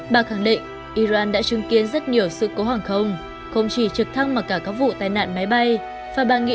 bà khẳng định iran đã chứng kiến rất nhiều sự cố hàng không không chỉ trực thăng mà cả các vụ tai nạn máy bay